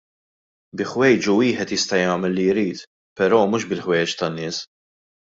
Bi ħwejġu wieħed jista' jagħmel li jrid però mhux bil-ħwejjeġ tan-nies.